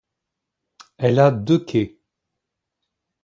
Elle a deux quais.